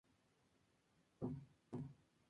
Serán enviados al exilio en Malta.